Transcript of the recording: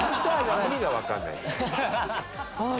意味がわかんない。